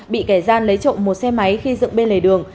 bị kẻ gian lấy trộm một xe máy khi dựng bên lề đường